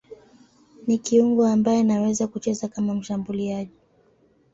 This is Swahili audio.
Ni kiungo ambaye anaweza kucheza kama mshambuliaji.